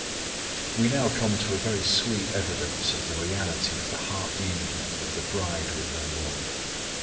We now come to a very sweet evidence of the reality of the heart union of the bride with her LORD.